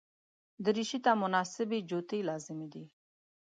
دریشي ته مناسب جوتي لازمي دي.